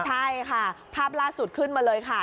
ใช่ค่ะภาพล่าสุดขึ้นมาเลยค่ะ